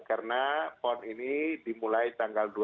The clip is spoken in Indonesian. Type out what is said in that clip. karena pon ini dimulai tanggal dua besok